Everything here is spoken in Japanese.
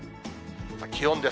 気温です。